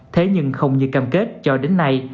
thế nhưng không như cam kết cho đến nay